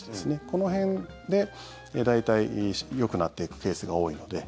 この辺で大体よくなっていくケースが多いので。